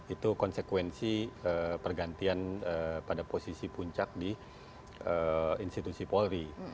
itu konsekuensi pergantian pada posisi puncak di institusi polri